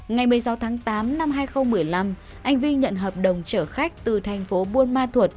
ngày một mươi sáu tháng tám năm hai nghìn một mươi năm anh vi nhận hợp đồng chở khách từ thành phố buôn ma thuột